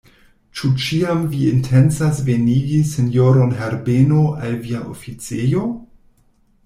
Ĉu ĉiam vi intencas venigi sinjoron Herbeno al via oficejo?